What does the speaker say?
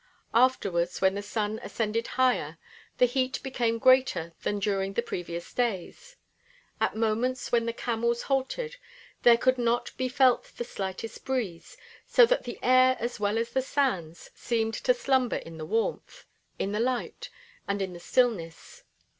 Afterwards when the sun ascended higher, the heat became greater than during the previous days. At moments when the camels halted there could not be felt the slightest breeze, so that the air as well as the sands seemed to slumber in the warmth, in the light, and in the stillness.